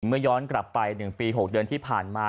ย้อนกลับไป๑ปี๖เดือนที่ผ่านมา